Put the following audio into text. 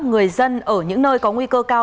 người dân ở những nơi có nguy cơ cao